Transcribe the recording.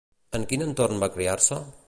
En quin entorn va criar-se?